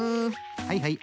はいはい。